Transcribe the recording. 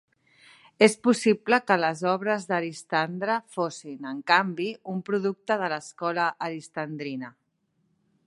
És possible que les obres d'Aristandre fossin, en canvi, un producte de l'escola aristandrina.